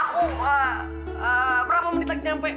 aku eh berapa menit lagi sampai